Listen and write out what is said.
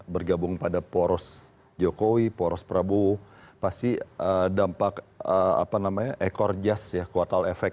bergabung pada poros jokowi poros prabowo pasti dampak apa namanya ekor jas ya kuartal efek